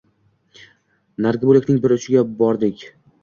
Narigi boʻlakning bir burchiga bordik.